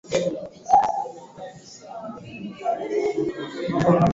Inaathiri takribani asilimia sitini ya Wananchi